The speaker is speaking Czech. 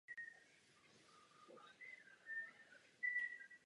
Hospodářský rozvoj nebyl nikdy tak provázaný s těmito energetickými podmínkami.